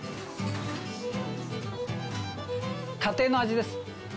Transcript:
家庭の味です。